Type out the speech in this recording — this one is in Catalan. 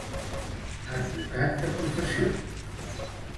Advocat de professió.